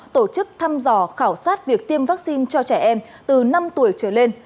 tổ chức thăm dò khảo sát việc tiêm vaccine cho trẻ em từ năm tuổi trở lên